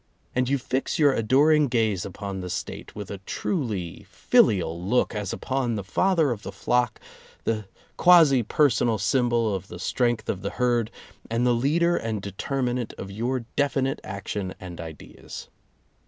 And you fix your adoring gaze upon the State, with a truly filial look, as upon the Father of the flock, the quasi personal symbol of the strength of the herd, and the leader and determinant of your definite action and ideas.